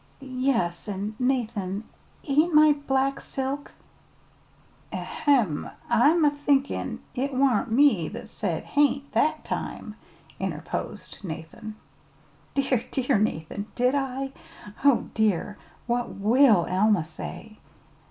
'" "Yes; an', Nathan, ain't my black silk " "Ahem! I'm a thinkin' it wa'n't me that said 'ain't' that time," interposed Nathan. "Dear, dear, Nathan! did I? Oh, dear, what will Alma say?"